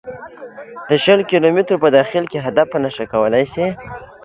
د شل کیلو مترو په داخل کې هدف په نښه کولای شي